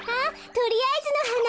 とりあえずのはな。